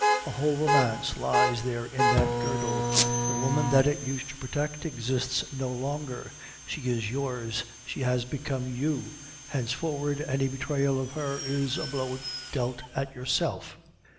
A whole romance lies there in that girdle; the woman that it used to protect exists no longer; she is yours, she has become you; henceforward any betrayal of her is a blow dealt at yourself.